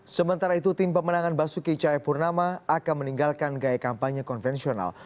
sementara itu tim pemenangan basuki cahayapurnama akan meninggalkan gaya kampanye konvensional